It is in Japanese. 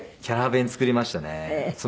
キャラ弁作りましたね。